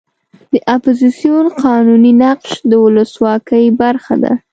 د اپوزیسیون قانوني نقش د ولسواکۍ برخه ده.